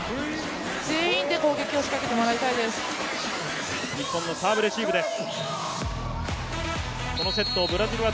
全員で攻撃を仕掛けてもらいたいです。